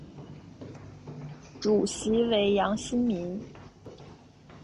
主席为杨新民。